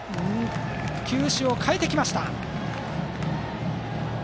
球種を変えてきました。